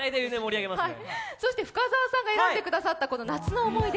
そして深澤さんが選んでくださった「夏の思い出」。